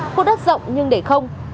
khu đất rộng nhưng để không